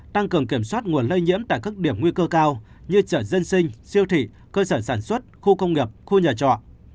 tăng cường kiểm soát nguồn lây nhiễm tại các điểm nguy cơ cao như chợ dân sinh siêu thị cơ sở sản xuất khu công nghiệp khu nhà trọ